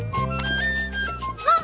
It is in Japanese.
あっ！